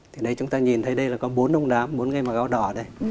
thì đây chúng ta nhìn thấy đây là có bốn ông đám bốn người mà góc đỏ đây